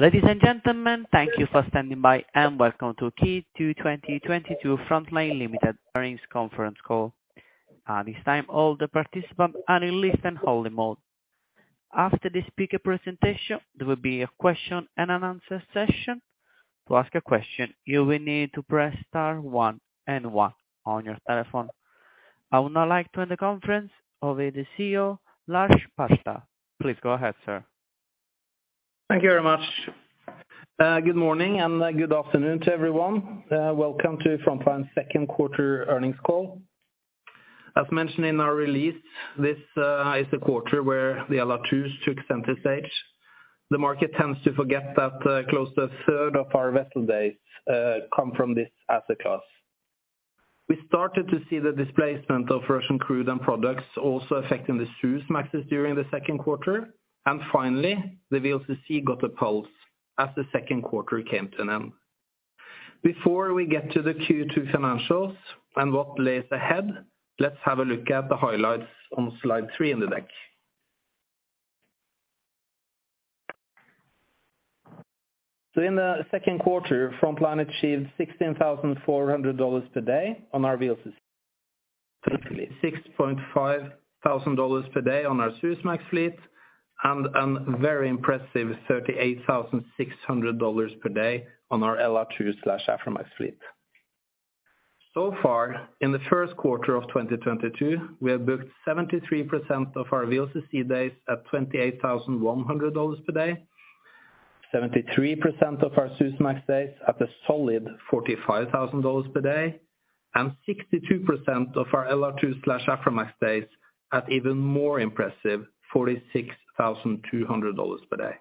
Ladies and gentlemen, thank you for standing by, and welcome to Q2 2022 Frontline Ltd Earnings Conference Call. At this time, all the participants are in listen-only mode. After the speaker presentation, there will be a question and answer session. To ask a question, you will need to press star one and one on your telephone. I would now like to hand the conference over to the CEO, Lars Barstad. Please go ahead, sir. Thank you very much. Good morning and good afternoon to everyone. Welcome to Frontline Q2 earnings call. As mentioned in our release, this is the quarter where the LR2s took center stage. The market tends to forget that close to a third of our vessel days come from this asset class. We started to see the displacement of Russian crude and products also affecting the Suezmaxes during the Q2. Finally, the VLCC got a pulse as the Q2 came to an end. Before we get to the Q2 financials and what lies ahead, let's have a look at the highlights on slide 3 in the deck. In the Q2, Frontline achieved $16,400 per day on our VLCCs. $65,000 per day on our Suezmax fleet, and a very impressive $38,600 per day on our LR2/Aframax fleet. So far, in the Q1 of 2022, we have booked 73% of our VLCC days at $28,100 per day, 73% of our Suezmax days at a solid $45,000 per day, and 62% of our LR2/Aframax days at even more impressive $46,200 per day.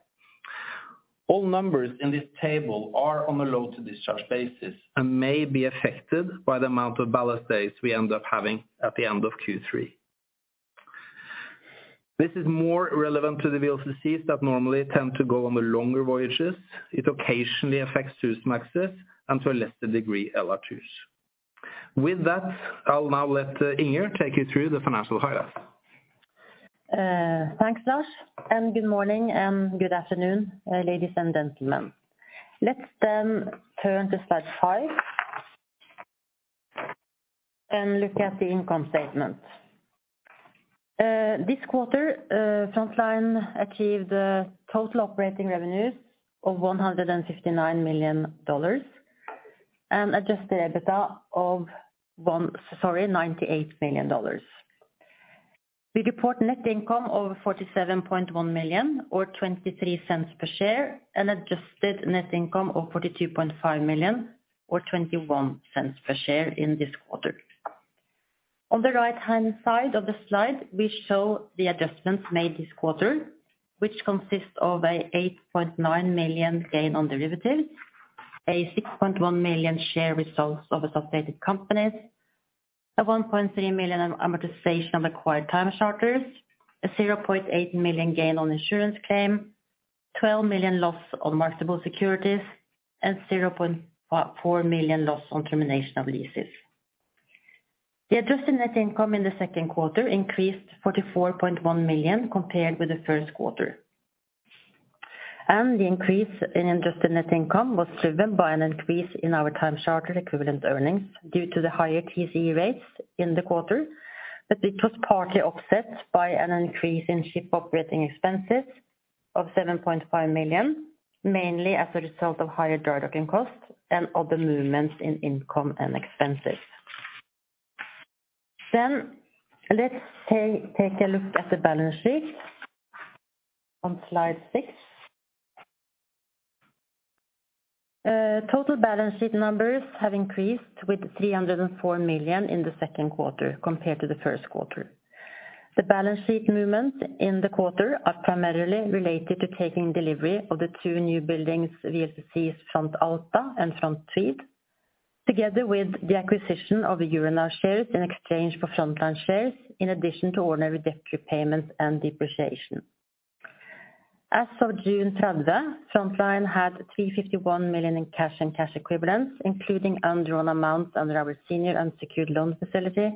All numbers in this table are on a load to discharge basis and may be affected by the amount of ballast days we end up having at the end of Q3. This is more relevant to the VLCCs that normally tend to go on the longer voyages. It occasionally affects Suezmaxes, and to a lesser degree, LR2s. With that, I'll now let Inger take you through the financial highlights. Thanks, Lars, and good morning and good afternoon, ladies and gentlemen. Let's turn to slide five and look at the income statement. This quarter, Frontline achieved total operating revenues of $159 million, and adjusted EBITDA of $98 million. We report net income of $47.1 million or 23 cents per share, and adjusted net income of $42.5 million or 21 cents per share in this quarter. On the right-hand side of the slide, we show the adjustments made this quarter, which consists of an $8.9 million gain on derivatives, a $6.1 million share results of associated companies, a $1.3 million amortization of acquired time charters, a $0.8 million gain on insurance claim, $12 million loss on marketable securities, and $0.4 million loss on termination of leases. The adjusted net income in the Q2 increased $44.1 million compared with the Q1. The increase in adjusted net income was driven by an increase in our time charter equivalent earnings due to the higher TCE rates in the quarter. It was partly offset by an increase in ship operating expenses of $7.5 million, mainly as a result of higher dry docking costs and other movements in income and expenses. Let's take a look at the balance sheet on slide 6. Total balance sheet numbers have increased with $304 million in the Q2 compared to the Q1. The balance sheet movements in the quarter are primarily related to taking delivery of the two new buildings, VLCC Front Alta and Front Tweed, together with the acquisition of the Euronav shares in exchange for Frontline shares, in addition to ordinary debt repayments and depreciation. As of June 30, Frontline had $351 million in cash and cash equivalents, including undrawn amounts under our senior unsecured loan facility,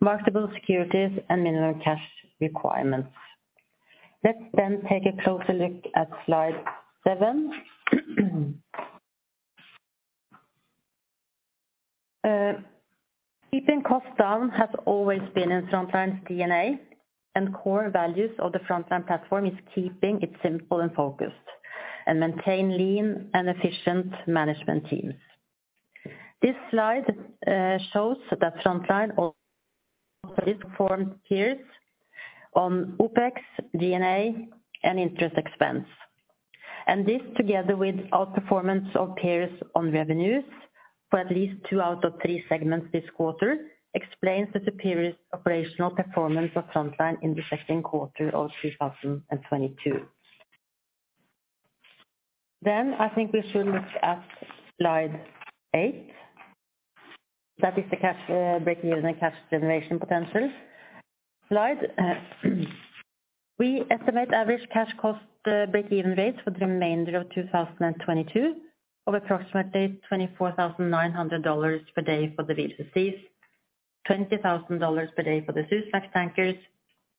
marketable securities, and minimum cash requirements. Let's then take a closer look at slide 7. Keeping costs down has always been in Frontline's DNA and core values of the Frontline platform is keeping it simple and focused, and maintain lean and efficient management teams. This slide shows that Frontline also outperformed peers on OpEx, G&A, and interest expense. This together with outperformance of peers on revenues for at least two out of three segments this quarter explains the superior operational performance of Frontline in the Q2 of 2022. I think we should look at slide eight. That is the cash break-even and cash generation potential slide. We estimate average cash cost break-even rates for the remainder of 2022 of approximately $24,900 per day for the VLCCs, $20,000 per day for the Suezmax tankers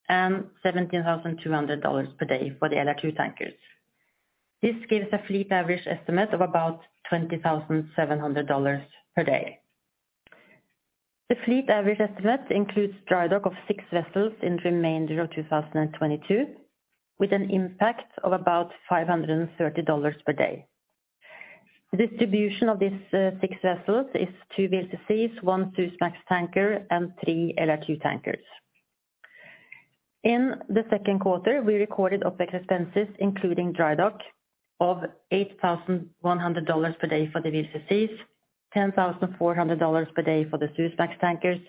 and $17,200 per day for the LR2 tankers. This gives a fleet average estimate of about $20,700 per day. The fleet average estimate includes dry dock of six vessels in the remainder of 2022, with an impact of about $530 per day. The distribution of these six vessels is two VLCCs, one Suezmax tanker, and three LR2 tankers. In the Q2, we recorded operating expenses, including dry dock of $8,100 per day for the VLCCs, $10,400 per day for the Suezmax tankers,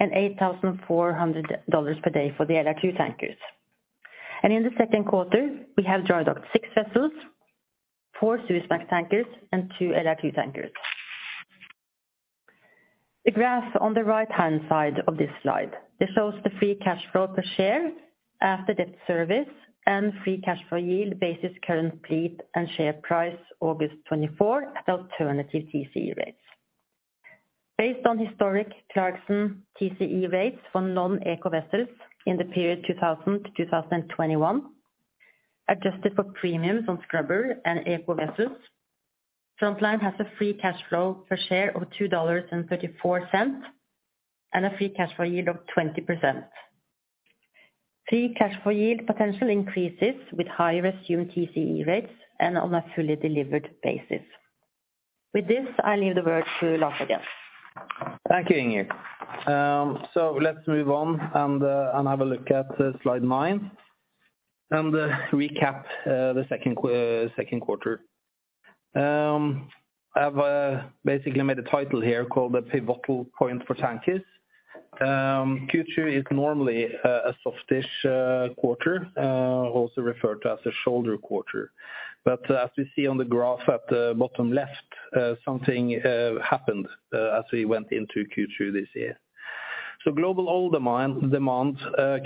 and $8,400 per day for the LR2 tankers. In the Q2, we have dry docked six vessels, four Suezmax tankers and two LR2 tankers. The graph on the right-hand side of this slide shows the free cash flow per share after debt service and free cash flow yield based on current fleet and share price August 24 at alternative TCE rates. Based on historic Clarksons TCE rates for non-eco vessels in the period 2000-2021, adjusted for premiums on scrubber and eco vessels, Frontline has a free cash flow per share of $2.34, and a free cash flow yield of 20%. Free cash flow yield potential increases with higher assumed TCE rates and on a fully delivered basis. With this, I leave the word to Lars again. Thank you, Inger. Let's move on and have a look at slide 9, and recap the Q2. I've basically made a title here called The Pivotal Point for Tankers. Q2 is normally a softish quarter, also referred to as a shoulder quarter. As we see on the graph at the bottom left, something happened as we went into Q2 this year. Global oil demand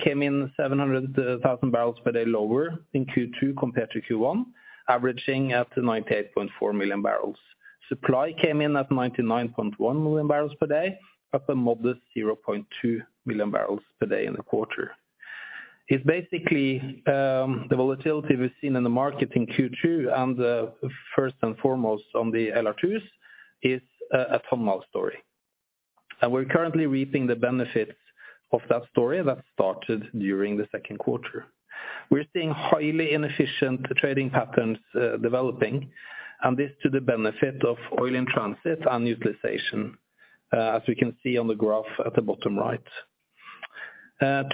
came in 700,000 barrels per day lower in Q2 compared to Q1, averaging at 98.4 million barrels. Supply came in at 99.1 million barrels per day at a modest 0.2 million barrels per day in the quarter. It's basically the volatility we've seen in the market in Q2 and first and foremost on the LR2s is a ton-mile story. We're currently reaping the benefits of that story that started during the Q2. We're seeing highly inefficient trading patterns developing, and this to the benefit of oil in transit and utilization as we can see on the graph at the bottom right.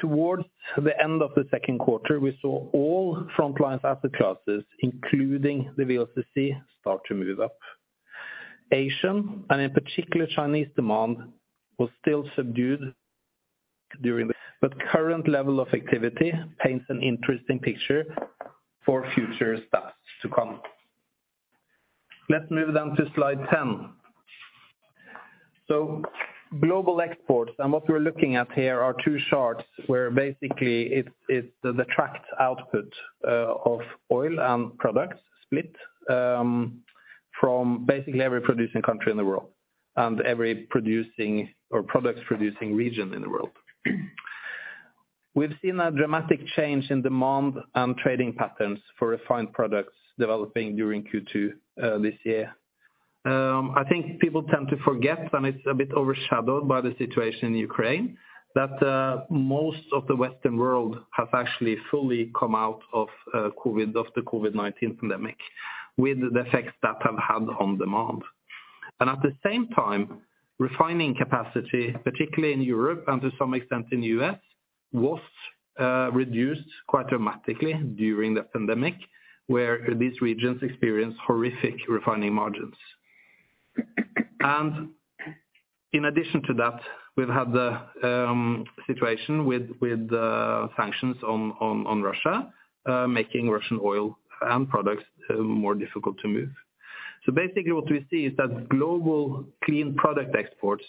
Towards the end of the Q2, we saw all Frontline's asset classes, including the VLCC, start to move up. Asian, and in particular Chinese demand, was still subdued. Current level of activity paints an interesting picture for future stats to come. Let's move on to slide 10. Global exports, and what we're looking at here are two charts where basically it's the tracked output of oil and products split from basically every producing country in the world and every producing or products producing region in the world. We've seen a dramatic change in demand and trading patterns for refined products developing during Q2 this year. I think people tend to forget, and it's a bit overshadowed by the situation in Ukraine, that most of the Western world has actually fully come out of COVID-19 pandemic, with the effects that have had on demand. At the same time, refining capacity, particularly in Europe and to some extent in U.S., was reduced quite dramatically during the pandemic where these regions experienced horrific refining margins. In addition to that, we've had the situation with sanctions on Russia making Russian oil and products more difficult to move. Basically what we see is that global clean product exports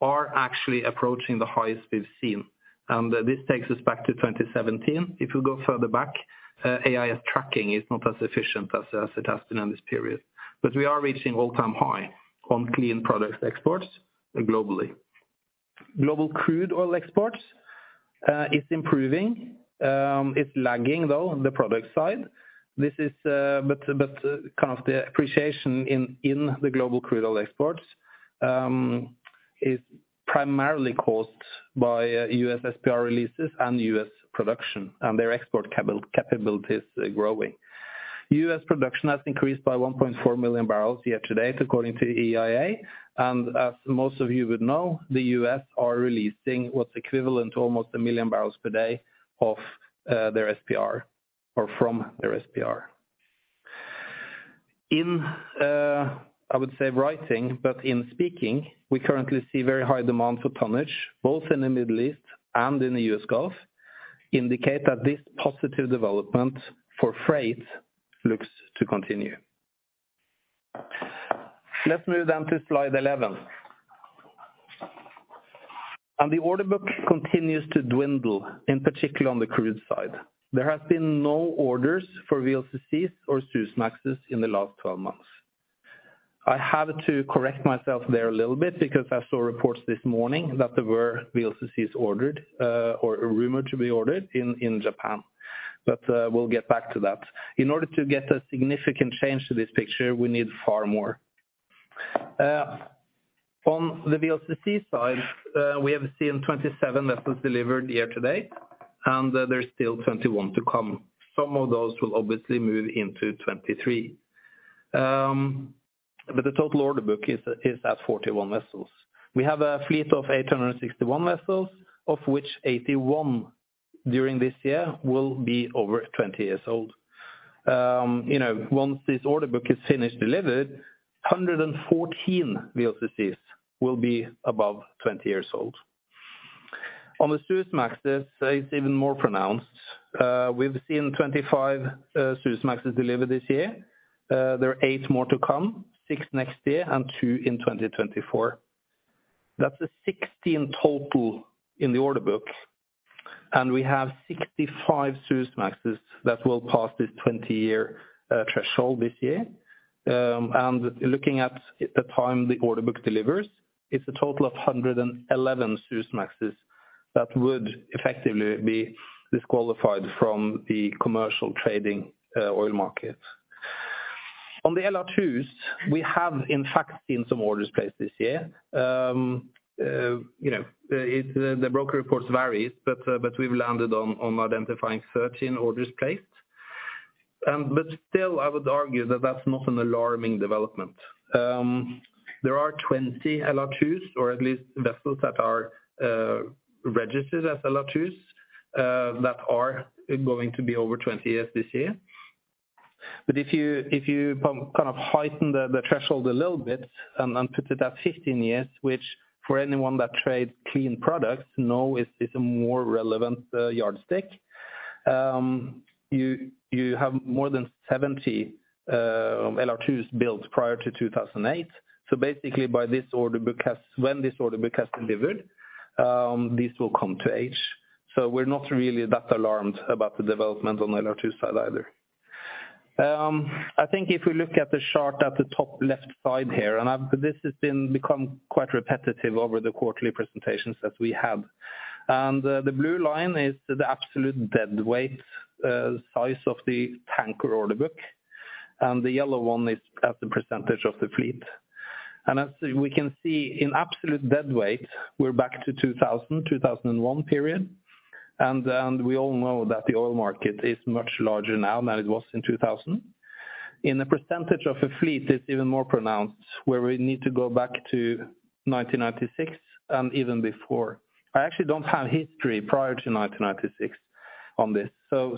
are actually approaching the highest we've seen, and this takes us back to 2017. If you go further back, AIS tracking is not as efficient as it has been in this period. We are reaching all-time high on clean products exports globally. Global crude oil exports is improving. It's lagging though on the product side. This is kind of the appreciation in the global crude oil exports is primarily caused by U.S. SPR releases and U.S. production, and their export capabilities growing. U.S. production has increased by 1.4 million barrels year to date according to EIA. As most of you would know, the U.S. are releasing what's equivalent to almost 1 million barrels per day of their SPR or from their SPR. In I would say writing, but in speaking, we currently see very high demand for tonnage, both in the Middle East and in the U.S. Gulf, indicate that this positive development for freight looks to continue. Let's move on to slide 11. The order book continues to dwindle, in particular on the crude side. There has been no orders for VLCCs or Suezmaxes in the last 12 months. I have to correct myself there a little bit because I saw reports this morning that there were VLCCs ordered or rumored to be ordered in Japan. We'll get back to that. In order to get a significant change to this picture, we need far more. On the VLCC side, we have seen 27 vessels delivered year-to-date, and there are still 21 to come. Some of those will obviously move into 2023. The total order book is at 41 vessels. We have a fleet of 861 vessels, of which 81 during this year will be over 20 years old. You know, once this order book is finished delivered, 114 VLCCs will be above 20 years old. On the Suezmaxes, it's even more pronounced. We've seen 25 Suezmaxes delivered this year. There are eight more to come, six next year and two in 2024. That's a 16 total in the order book. We have 65 Suezmaxes that will pass this 20-year threshold this year. Looking at the time the order book delivers, it's a total of 111 Suezmaxes that would effectively be disqualified from the commercial trading oil market. On the LR2s, we have in fact seen some orders placed this year. You know, the broker reports vary, but we've landed on identifying 13 orders placed. But still, I would argue that that's not an alarming development. There are 20 LR2s, or at least vessels that are registered as LR2s, that are going to be over 20 years this year. If you kind of heighten the threshold a little bit and put it at 15 years, which for anyone that trades clean products know is a more relevant yardstick, you have more than 70 LR2s built prior to 2008. So basically when this order book has delivered, these will come to age. So we're not really that alarmed about the development on the LR2 side either. I think if we look at the chart at the top left side here, and this has become quite repetitive over the quarterly presentations that we have. The blue line is the absolute deadweight size of the tanker order book, and the yellow one is as a percentage of the fleet. As we can see in absolute deadweight, we're back to 2000, 2001. We all know that the oil market is much larger now than it was in 2000. In a percentage of a fleet, it's even more pronounced, where we need to go back to 1996 and even before. I actually don't have history prior to 1996 on this, so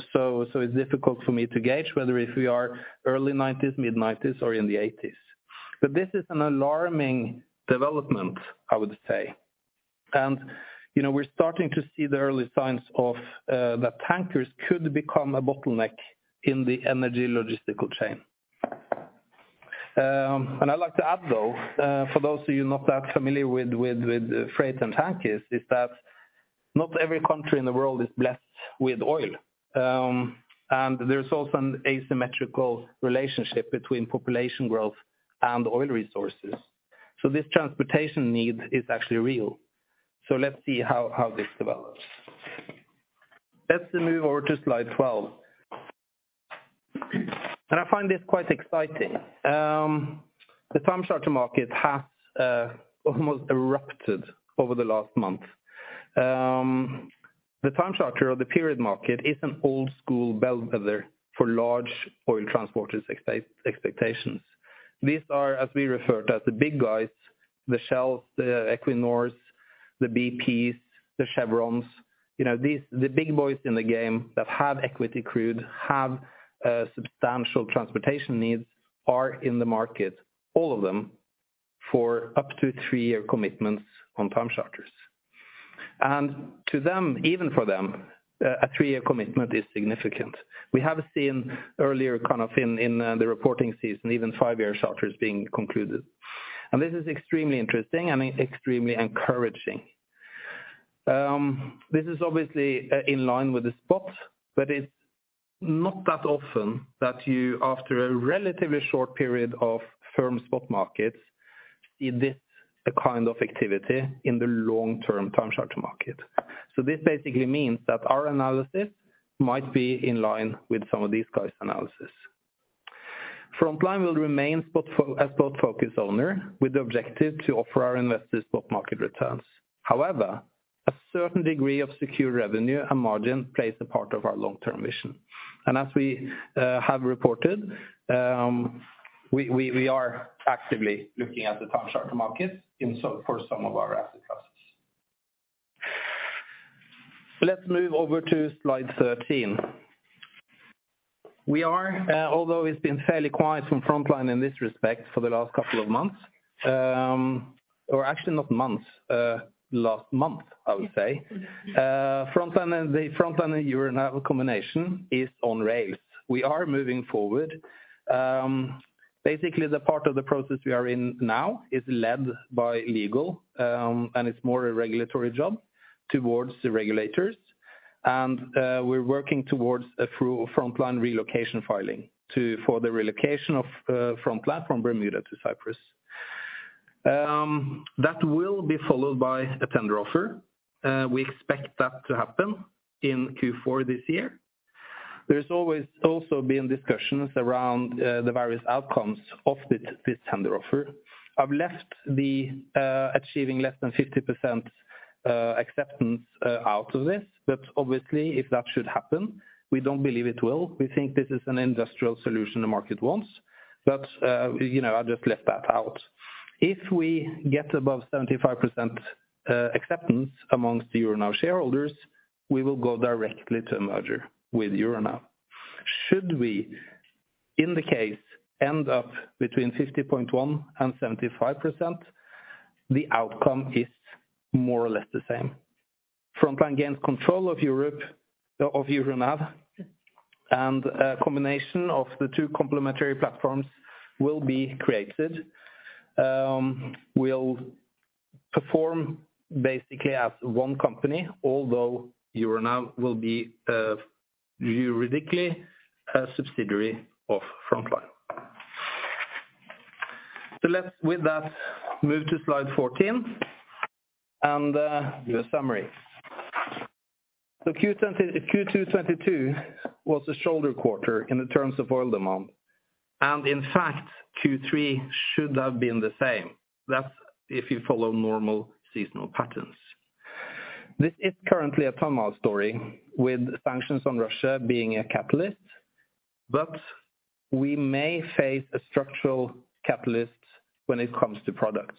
it's difficult for me to gauge whether if we are early 1990s, mid-1990s or in the 1980s. This is an alarming development, I would say. You know, we're starting to see the early signs of that tankers could become a bottleneck in the energy logistical chain. I'd like to add, though, for those of you not that familiar with freight and tankers is that not every country in the world is blessed with oil. There's also an asymmetrical relationship between population growth and oil resources. This transportation need is actually real. Let's see how this develops. Let's move over to slide 12. I find this quite exciting. The time charter market has almost erupted over the last month. The time charter or the period market is an old school bellwether for large oil transporters expectations. These are, as we refer to, the big guys, the Shells, the Equinors, the BPs, the Chevrons. You know, these the big boys in the game that have equity crude substantial transportation needs are in the market, all of them, for up to three-year commitments on time charters. To them, even for them, a three-year commitment is significant. We have seen earlier kind of in the reporting season, even five-year charters being concluded. This is extremely interesting and extremely encouraging. This is obviously in line with the spot, but it's not that often that you, after a relatively short period of firm spot markets, see this kind of activity in the long-term time charter market. This basically means that our analysis might be in line with some of these guys' analysis. Frontline will remain a spot-focused owner with the objective to offer our investors spot market returns. However, a certain degree of secure revenue and margin plays a part of our long-term vision. As we have reported, we are actively looking at the time charter market for some of our asset classes. Let's move over to slide 13. We are, although it's been fairly quiet from Frontline in this respect for the last couple of months, or actually not months, last month, I would say. Frontline and the Frontline-Euronav combination is on rails. We are moving forward. Basically the part of the process we are in now is led by legal, and it's more a regulatory job towards the regulators. We're working towards a Frontline relocation filing for the relocation of Frontline from Bermuda to Cyprus. That will be followed by a tender offer. We expect that to happen in Q4 this year. There's always also been discussions around the various outcomes of this tender offer. I've left the achieving less than 50% acceptance out of this. Obviously if that should happen, we don't believe it will. We think this is an industrial solution the market wants. You know, I'll just left that out. If we get above 75% acceptance amongst Euronav shareholders, we will go directly to a merger with Euronav. Should we, in the case end up between 50.1% and 75%, the outcome is more or less the same. Frontline gains control of Euronav and a combination of the two complementary platforms will be created. We'll perform basically as one company, although Euronav will be juridically a subsidiary of Frontline. With that, let's move to slide 14 and do a summary. Q2 2022 was a shoulder quarter in terms of oil demand, and in fact Q3 should have been the same. That's if you follow normal seasonal patterns. This is currently a tanker story with sanctions on Russia being a catalyst, but we may face a structural catalyst when it comes to products.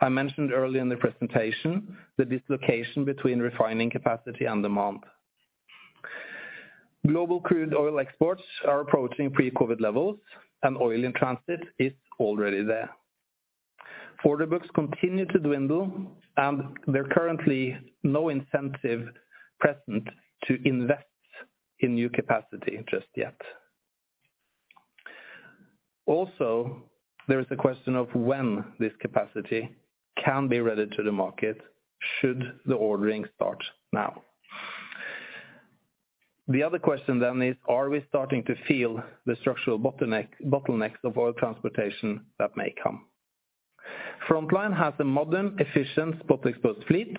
I mentioned earlier in the presentation the dislocation between refining capacity and demand. Global crude oil exports are approaching pre-COVID levels, and oil in transit is already there. Order books continue to dwindle, and there are currently no incentives present to invest in new capacity just yet. Also, there is a question of when this capacity can be ready for the market should the ordering start now. The other question then is, are we starting to feel the structural bottlenecks of oil transportation that may come? Frontline has a modern, efficient spot exposed fleet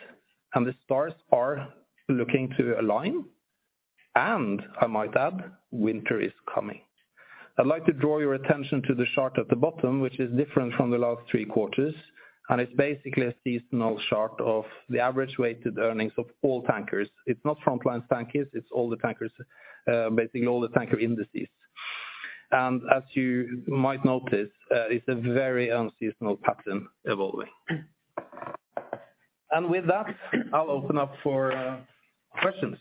and the stars are looking to align. I might add, winter is coming. I'd like to draw your attention to the chart at the bottom, which is different from the last three quarters, and it's basically a seasonal chart of the average weighted earnings of all tankers. It's not Frontline's tankers, it's all the tankers, basically all the tanker indices. As you might notice, it's a very unseasonal pattern evolving. With that, I'll open up for questions.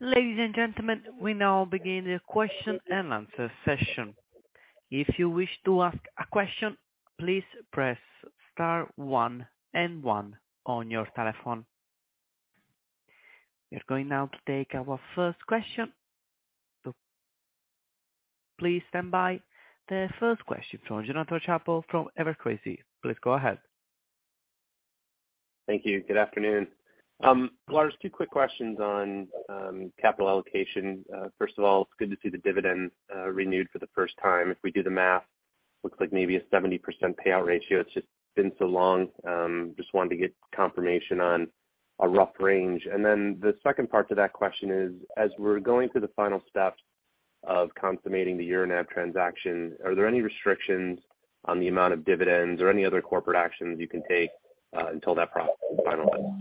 Ladies and gentlemen, we now begin the question and answer session. If you wish to ask a question, please press star one and one on your telephone. We are going now to take our first question. Please stand by. The first question from Jonathan Chappell from Evercore ISI. Please go ahead. Thank you. Good afternoon. Lars, two quick questions on capital allocation. First of all, it's good to see the dividend renewed for the first time. If we do the math looks like maybe a 70% payout ratio. It's just been so long, just wanted to get confirmation on a rough range. The second part to that question is, as we're going through the final steps of consummating the Euronav transaction, are there any restrictions on the amount of dividends or any other corporate actions you can take until that process is finalized?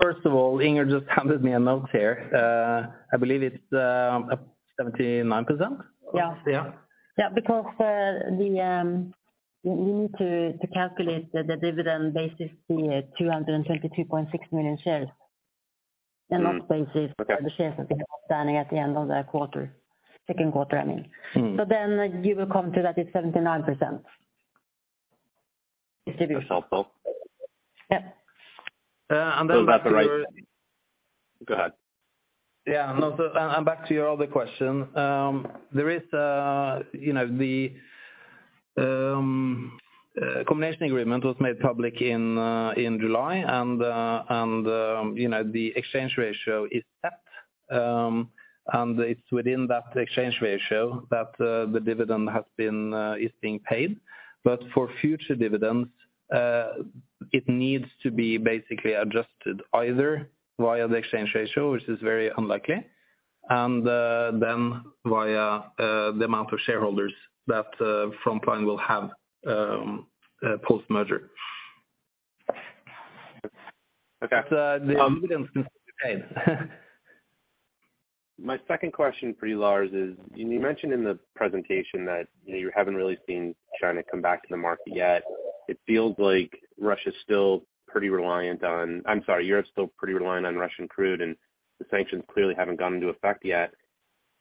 First of all, Inger just handed me a note here. I believe it's up 79%. Yeah. Yeah. Yeah. Because you need to calculate the dividend based on the 222.6 million shares. Mm. And not based Okay. On the shares standing at the end of the quarter, Q2, I mean. Mm. You will come to that it's 79% distribution. That's helpful. Yeah. Uh, and then That's right. Go ahead. Back to your other question. There is, you know, the combination agreement was made public in July and, you know, the exchange ratio is set. And it's within that exchange ratio that the dividend is being paid. But for future dividends, it needs to be basically adjusted either via the exchange ratio, which is very unlikely, and then via the amount of shareholders that Frontline will have post-merger. Okay. The dividend. My second question for you, Lars, is you mentioned in the presentation that, you know, you haven't really seen China come back to the market yet. It feels like Russia's still pretty reliant on, I'm sorry, you're still pretty reliant on Russian crude, and the sanctions clearly haven't gone into effect yet.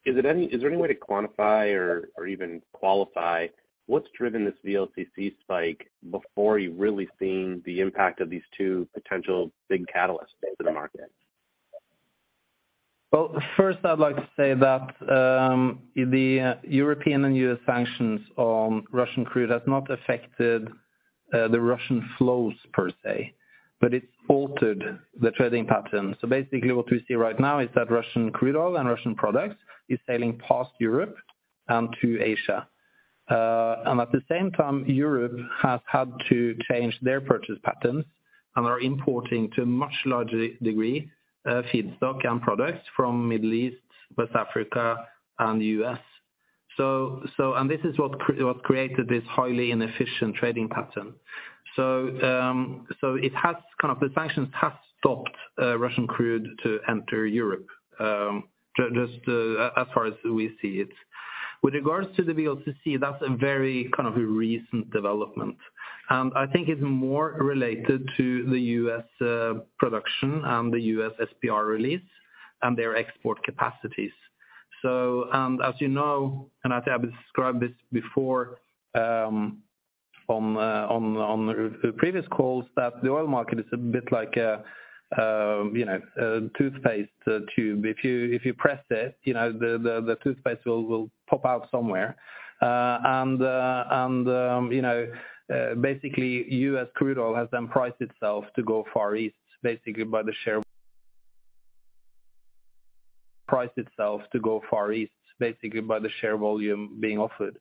Is there any way to quantify or even qualify what's driven this VLCC spike before you've really seen the impact of these two potential big catalysts into the market? Well, first I'd like to say that, the European and U.S. sanctions on Russian crude has not affected the Russian flows per se, but it's altered the trading pattern. Basically what we see right now is that Russian crude oil and Russian products is sailing past Europe and to Asia. At the same time, Europe has had to change their purchase patterns and are importing to a much larger degree, feedstock and products from Middle East, West Africa, and the U.S. This is what created this highly inefficient trading pattern. The sanctions has stopped Russian crude to enter Europe, just as far as we see it. With regards to the VLCC, that's a very kind of a recent development. I think it's more related to the U.S. production and the U.S. SPR release and their export capacities. As you know, and I think I've described this before, on the previous calls, that the oil market is a bit like a, you know, a toothpaste tube. If you press it, you know, the toothpaste will pop out somewhere. You know, basically, U.S. crude oil has then priced itself to go Far East, basically by the share volume being offered.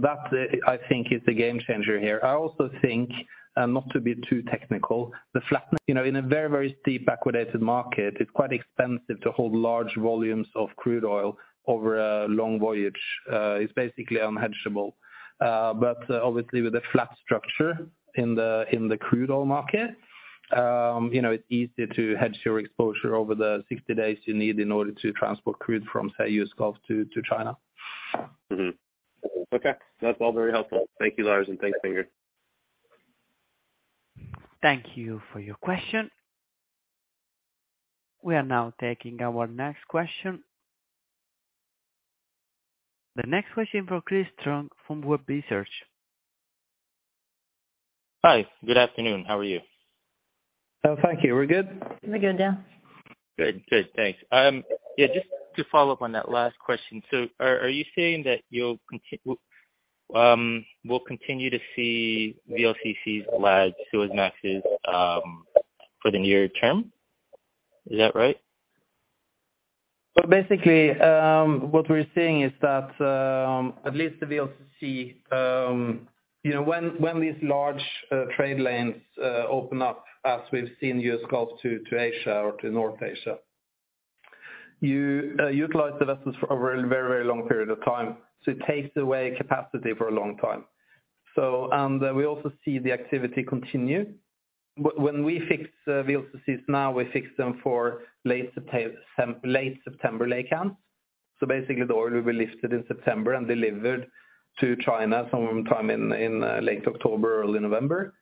That, I think, is the game changer here. I also think, and not to be too technical, the flat, you know, in a very steep backwardated market, it's quite expensive to hold large volumes of crude oil over a long voyage. It's basically unhedgeable. Obviously, with a flat structure in the crude oil market, you know, it's easier to hedge your exposure over the 60 days you need in order to transport crude from, say, U.S. Gulf to China. That's all very helpful. Thank you, Lars, and thanks, Inger. Thank you for your question. We are now taking our next question. The next question from Chris Tsung from Webber Research. Hi, good afternoon. How are you? Oh, thank you. We're good. We're good. Yeah. Good. Good. Thanks. Yeah, just to follow up on that last question. Are you saying that we'll continue to see VLCCs lag Suezmaxes for the near term? Is that right? Basically, what we're seeing is that at least the VLCC you know when these large trade lanes open up as we've seen US Gulf to Asia or to North Asia you utilize the vessels for a very long period of time. It takes away capacity for a long time. We also see the activity continue. When we fix VLCCs now, we fix them for late September laycan. Basically, the oil will be lifted in September and delivered to China sometime in late October, early November.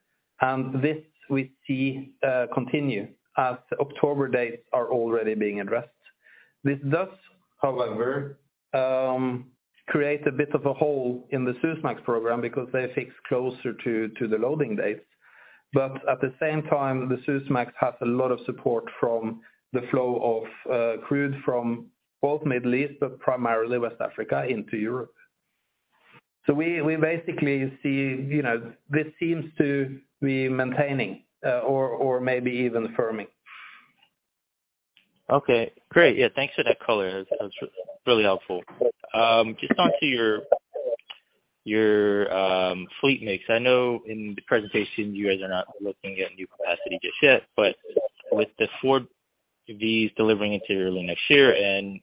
This we see continue as October dates are already being addressed. This does, however, create a bit of a hole in the Suezmax program because they fix closer to the loading dates. At the same time, the Suezmax has a lot of support from the flow of crude from both Middle East, but primarily West Africa into Europe. We basically see, you know, this seems to be maintaining or maybe even firming. Okay, great. Yeah, thanks for that color. That's really helpful. Just talking to your fleet mix. I know in the presentation, you guys are not looking at new capacity just yet, but with the four V's delivering into early next year and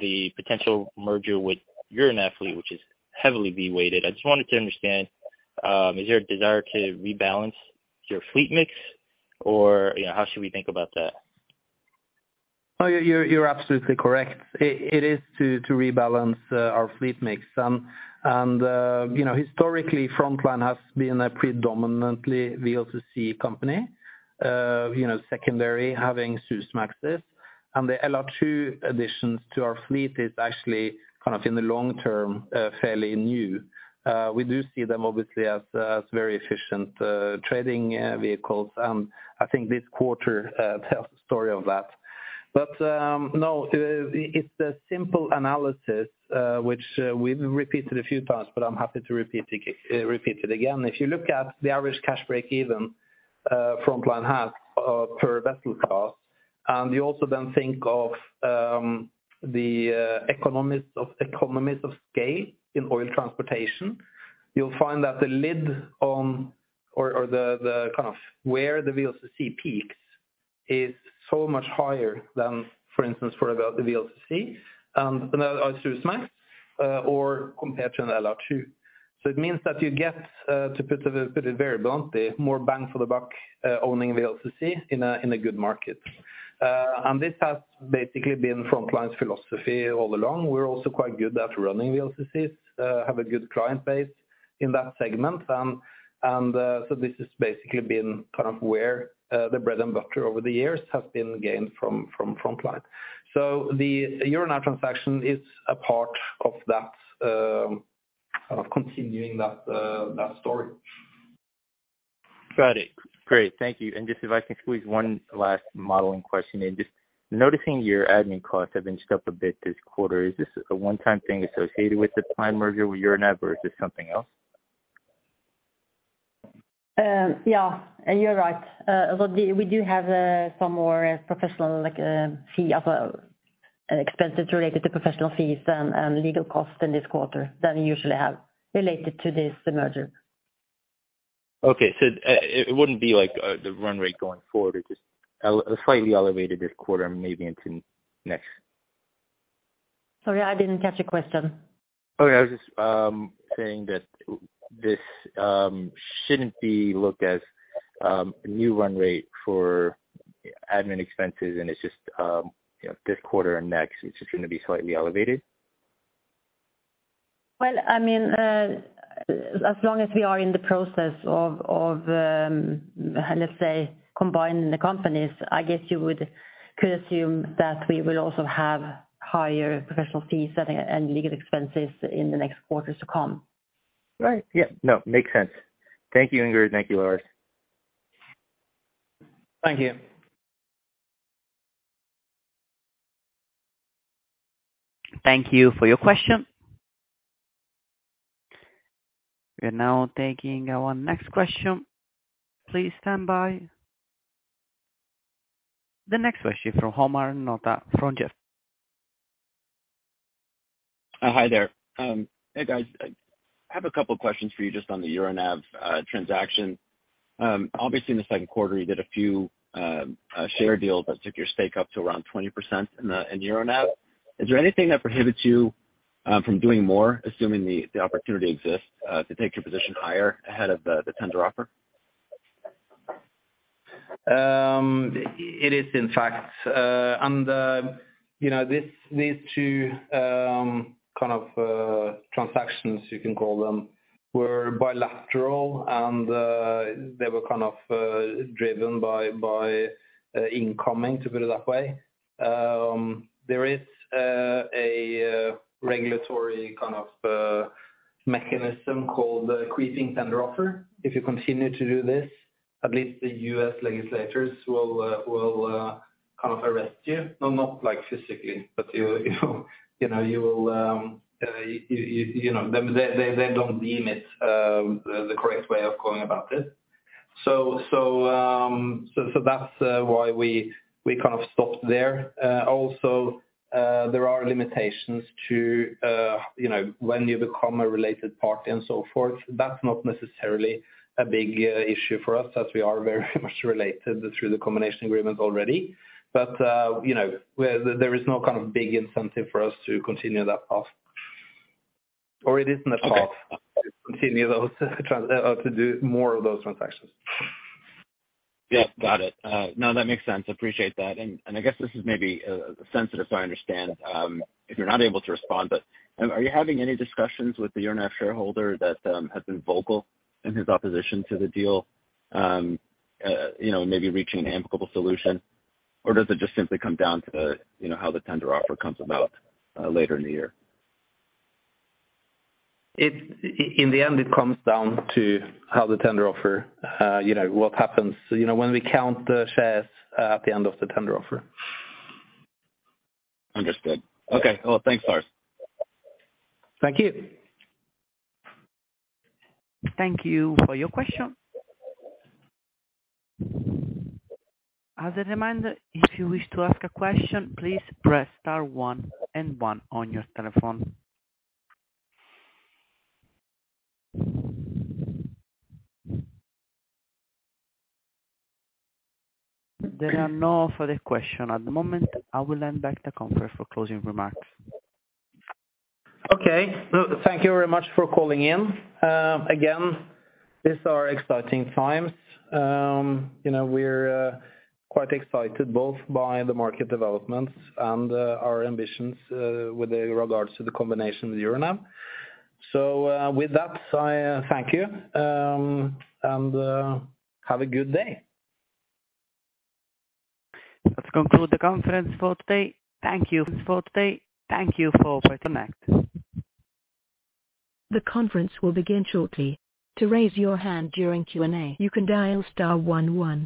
the potential merger with Euronav fleet, which is heavily V-weighted, I just wanted to understand, is there a desire to rebalance your fleet mix? Or, you know, how should we think about that? Oh, you're absolutely correct. It is to rebalance our fleet mix. You know, historically, Frontline has been a predominantly VLCC company, you know, secondary having Suezmaxes. The LR2 additions to our fleet is actually kind of in the long term fairly new. We do see them obviously as very efficient trading vehicles. I think this quarter tells the story of that. No, it's a simple analysis which we've repeated a few times, but I'm happy to repeat it again. If you look at the average cash break even, Frontline has per vessel cost, and you also then think of the economies of scale in oil transportation, you'll find that the limit on or the kind of where the VLCC peaks is so much higher than, for instance, for the VLCC and Suezmax or compared to an LR2. It means that you get to put it very bluntly, more bang for the buck owning VLCC in a good market. This has basically been Frontline's philosophy all along. We're also quite good at running VLCCs, have a good client base in that segment. This has basically been kind of where the bread and butter over the years has been gained from Frontline. The Euronav transaction is a part of that, of continuing that story. Got it. Great. Thank you. Just if I can squeeze one last modeling question in. Just noticing your admin costs have inched up a bit this quarter. Is this a one-time thing associated with the Euronav merger with Euronav or is this something else? Yeah, you're right. Well, we do have some more professional, like, fees and expenses related to professional fees and legal costs in this quarter than we usually have related to the merger. It wouldn't be like the run rate going forward is just slightly elevated this quarter, maybe into next. Sorry, I didn't catch your question. Okay. I was just saying that this shouldn't be looked as a new run rate for admin expenses, and it's just you know, this quarter and next, it's just gonna be slightly elevated. Well, I mean, as long as we are in the process of, let's say, combining the companies, I guess you would could assume that we will also have higher professional fees and legal expenses in the next quarters to come. Right. Yeah. No, makes sense. Thank you, Inger. Thank you, Lars. Thank you. Thank you for your question. We are now taking our next question. Please stand by. The next question from Omar Nokta from Jefferies. Hi there. Hey, guys. I have a couple questions for you just on the Euronav transaction. Obviously, in the Q2, you did a few share deals that took your stake up to around 20% in Euronav. Is there anything that prohibits you from doing more, assuming the opportunity exists, to take your position higher ahead of the tender offer? It is in fact you know these two kind of transactions you can call them were bilateral and they were kind of driven by incoming to put it that way. There is a regulatory kind of mechanism called the creeping tender offer. If you continue to do this at least the U.S. legislators will kind of arrest you. No not like physically but you know you will you know they don't deem it the correct way of going about this. That's why we kind of stopped there. Also there are limitations to you know when you become a related party and so forth. That's not necessarily a big issue for us as we are very much related through the combination agreement already. You know, there is no kind of big incentive for us to continue that path. It isn't a path to do more of those transactions. Yeah, got it. No, that makes sense. Appreciate that. I guess this is maybe sensitive, so I understand if you're not able to respond, but are you having any discussions with the Euronav shareholder that has been vocal in his opposition to the deal, you know, maybe reaching an amicable solution? Does it just simply come down to the, you know, how the tender offer comes about later in the year? In the end, it comes down to how the tender offer, you know, what happens, you know, when we count the shares at the end of the tender offer. Understood. Okay. Well, thanks, Lars. Thank you. Thank you for your question. As a reminder, if you wish to ask a question, please press star one and one on your telephone. There are no further questions at the moment. I will hand back to conference for closing remarks. Okay. No, thank you very much for calling in. Again, these are exciting times. You know, we're quite excited both by the market developments and our ambitions with regards to the combination with Euronav. With that, I thank you and have a good day. That conclude the conference for today. Thank you for today. Thank you for participating. The conference will begin shortly. To raise your hand during Q&A, you can dial star one one.